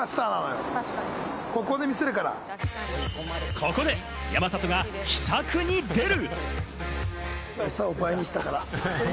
ここで山里が秘策に出る。